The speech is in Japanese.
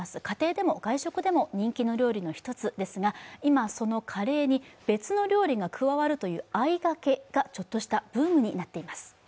家庭でも外食でも人気の料理の一つですが、今、そのカレーに別の料理が加わるという「あいがけ」がちょっとしたブームになっています。